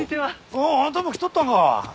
おおあんたも来とったんか。